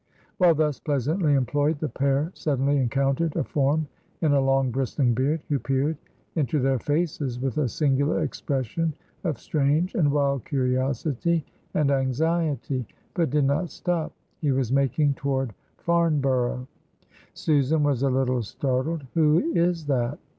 While thus pleasantly employed the pair suddenly encountered a form in a long bristling beard, who peered into their faces with a singular expression of strange and wild curiosity and anxiety, but did not stop; he was making toward Farnborough. Susan was a little startled. "Who is that?"